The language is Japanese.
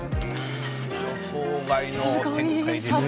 予想外の展開でしたね。